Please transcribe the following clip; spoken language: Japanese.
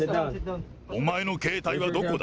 お前の携帯はどこだ？